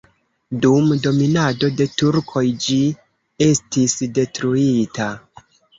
Dum dominado de turkoj ĝi estis detruita.